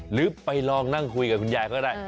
หรือไปลองนั่งคุยกับคุณยายก็ได้